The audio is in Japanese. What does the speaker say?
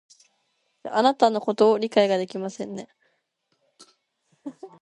あなたのことを理解ができませんね